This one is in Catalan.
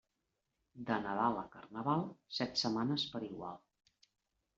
De Nadal a Carnaval, set setmanes per igual.